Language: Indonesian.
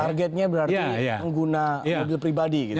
targetnya berarti menggunakan mobil pribadi gitu ya